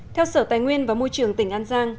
theo sở tài nguyên và môi trường tỉnh an giang